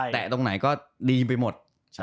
ตรงไหนก็ดีไปหมด